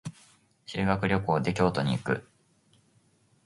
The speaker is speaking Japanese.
修学旅行で京都に行く。